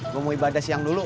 gue mau ibadah siang dulu